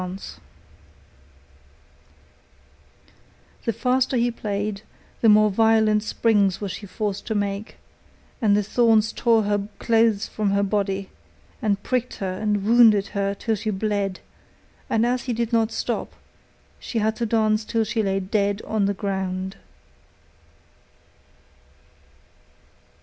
The faster he played, the more violent springs was she forced to make, and the thorns tore her clothes from her body, and pricked her and wounded her till she bled, and as he did not stop, she had to dance till she lay dead on the ground.